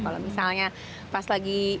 kalau misalnya pas lagi